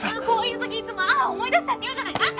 こういう時いつも「思い出した！」って言うじゃない。